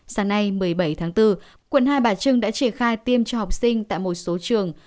sáng nay một mươi bảy tháng bốn quận hai bà trưng đã triển khai tiêm cho học sinh tại một số trường